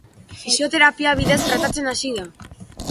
Fisioterapia bidez tratatzen hasi da.